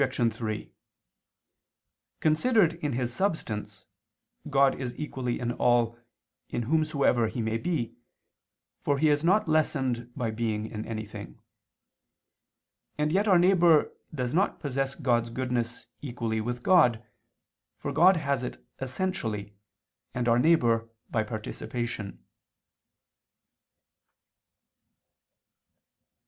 3: Considered in His substance, God is equally in all, in whomsoever He may be, for He is not lessened by being in anything. And yet our neighbor does not possess God's goodness equally with God, for God has it essentially, and our neighbor by participation.